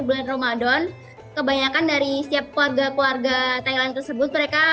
bulan ramadan kebanyakan dari setiap keluarga keluarga thailand tersebut mereka